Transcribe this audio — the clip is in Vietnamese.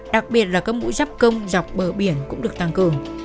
đặc biệt là các mũi dắp công dọc bờ biển cũng được tăng cường